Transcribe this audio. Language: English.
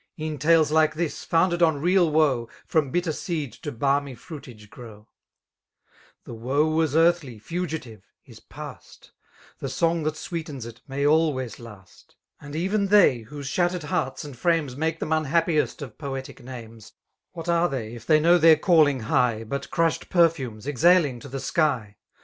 E'en tales like tibis^ founded ta real woe. From bitter seed to balmy fruitage grow 1 The woe was ear&ly, fugitive, is past; The song that sweetens it, may alwiya last. And even fliey, whoae shatteed keaita aad IruMi Make them unlMqppiflBi of poelie oemes. 88 What af« «hc]f> if thef know ih«b cidlhig falg^ But ctuihed potfcftees, exhaliflg to the sky?